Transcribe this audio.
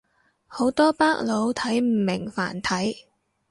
好多北佬睇唔明繁體